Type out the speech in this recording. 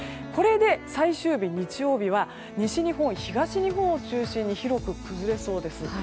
これで最終日、日曜日は西日本、東日本を中心に広く崩れそうです。